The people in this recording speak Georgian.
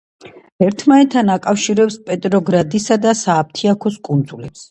ერთმანეთთან აკავშირებს პეტროგრადისა და სააფთიაქოს კუნძულებს.